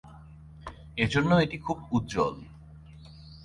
এজন্য এটি খুব উজ্জ্বল।